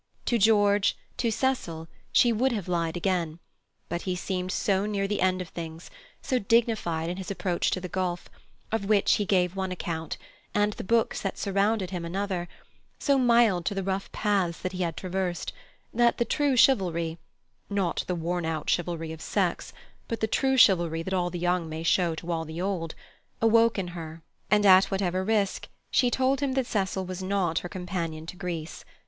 To George, to Cecil, she would have lied again; but he seemed so near the end of things, so dignified in his approach to the gulf, of which he gave one account, and the books that surrounded him another, so mild to the rough paths that he had traversed, that the true chivalry—not the worn out chivalry of sex, but the true chivalry that all the young may show to all the old—awoke in her, and, at whatever risk, she told him that Cecil was not her companion to Greece.